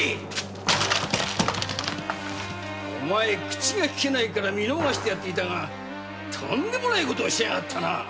口がきけないから見逃していたがとんでもない事をしやがったな！